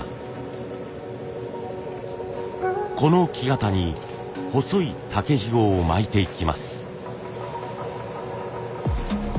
この木型に細い竹ひごを巻いていきます。